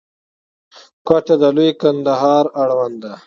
کوټه د لوی کندهار اړوند ده.